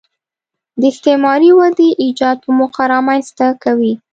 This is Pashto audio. د استثماري ودې ایجاد په موخه رامنځته کوي